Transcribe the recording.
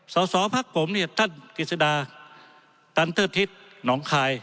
สอสอพักผมเนี่ยท่านกฤษดาตันเทิดทิศหนองคาย